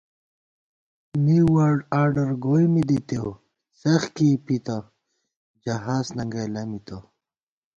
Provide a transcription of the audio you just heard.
نِیؤ ورلڈآرڈرَہ گوئی می دِتېؤ څخ کېئ پِتہ جہاز ننگَئ لَمِتہ